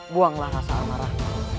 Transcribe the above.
buanglah rasa marah